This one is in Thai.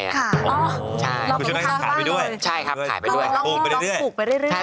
ใช่ใช่ครับขายไปด้วยลองผูกไปเรื่อย